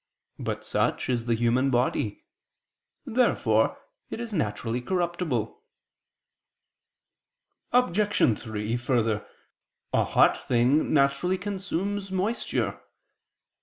But such is the human body. Therefore it is naturally corruptible. Obj. 3: Further, a hot thing naturally consumes moisture.